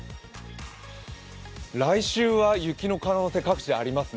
来週は雪の可能性が各地でありますね。